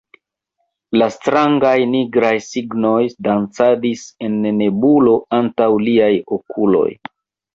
la strangaj nigraj signoj dancadis en nebulo antaŭ liaj okuloj.